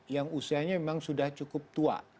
yang usianya memang sudah cukup tua